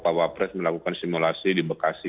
pak wapres melakukan simulasi di bekasi